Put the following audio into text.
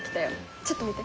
ちょっと見て。